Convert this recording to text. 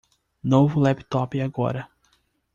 Novo laptop agora